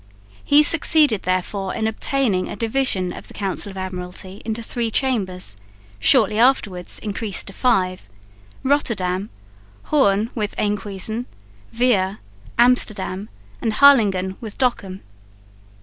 He succeeded therefore in obtaining a division of the Council of Admiralty into three Chambers, shortly afterwards increased to five Rotterdam, Hoorn with Enkhuizen, Veere, Amsterdam and Harlingen with Dokkum.